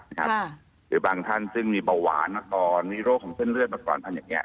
หรือบางท่านซึ่งมีเบาหวานมาก่อนมีโรคของเส้นเลือดมาก่อนพันธุ์อย่างนี้